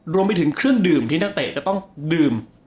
รวมไปถึงเครื่องดื่มที่นักเตะจะต้องดื่ม